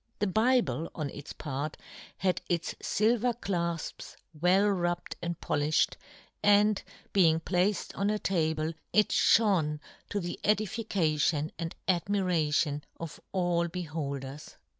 The Bible, on its part, had its filver clafps well rubbed and polifhed, and, being placed on a table, it fhone, to the edification and admiration of all beholders.